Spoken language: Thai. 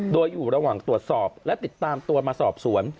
โดยอยู่ระหว่างตรวจสอบและติดตามตัวมาสอบสวน